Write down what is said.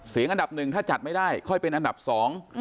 อันดับหนึ่งถ้าจัดไม่ได้ค่อยเป็นอันดับสอง